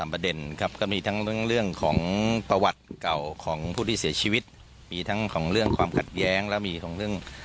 ประเด็นครับก็มีทั้งเรื่องของประวัติเก่าของผู้ที่เสียชีวิตมีทั้งของเรื่องความขัดแย้งและมีของเรื่อง